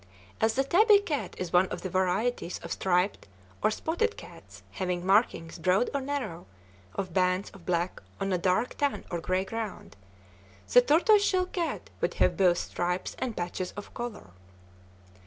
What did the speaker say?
As the tabby cat is one of the varieties of striped or spotted cats having markings, broad or narrow, of bands of black on a dark tan or gray ground, the tortoise shell cat would have both stripes and patches of color.